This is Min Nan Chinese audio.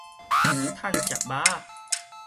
趁食媌仔